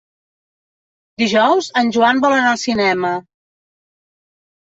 Dijous en Joan vol anar al cinema.